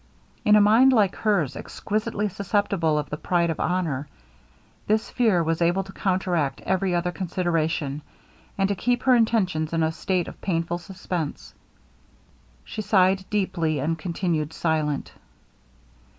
In a mind like hers, exquisitely susceptible of the pride of honor, this fear was able to counteract every other consideration, and to keep her intentions in a state of painful suspense. She sighed deeply, and continued silent.